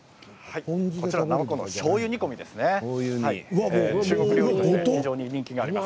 こちらはなまこのしょうゆ煮込みです。